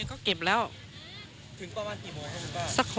ก็เก็บแล้วถึงประมาณกี่โมงครับคุณป้า